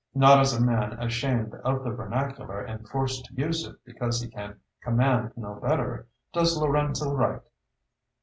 Not as a man ashamed of the vernacular, and forced to use it because he can command no better, does Lorenzo write.